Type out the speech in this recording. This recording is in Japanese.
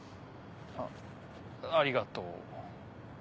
あありがとう。